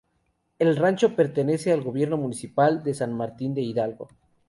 El rancho pertenece al gobierno municipal de San Martín de Hidalgo.